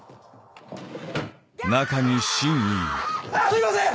すいません！